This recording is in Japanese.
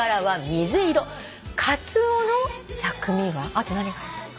あと何がありますか？